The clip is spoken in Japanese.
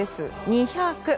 ２００。